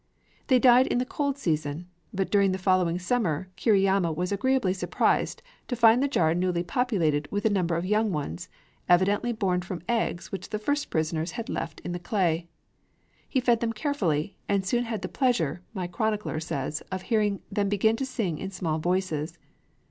They died in the cold season; but during the following summer Kiriyama was agreeably surprised to find the jar newly peopled with a number of young ones, evidently born from eggs which the first prisoners had left in the clay. He fed them carefully, and soon had the pleasure, my chronicler says, of hearing them "begin to sing in small voices."